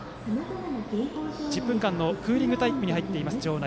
１０分間のクーリングタイムに入っています、場内。